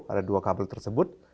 ada dua kabel tersebut